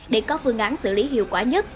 để có phương án xử lý hiệu quả nhất